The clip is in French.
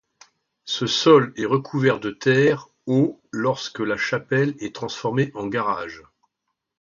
Ce sol est recouvert de terre au lorsque la chapelle est transformée en garage.